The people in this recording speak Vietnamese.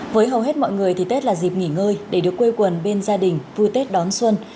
với hầu hết mọi người thì tết là dịp nghỉ ngơi để được quê quần bên gia đình vui tết đón xuân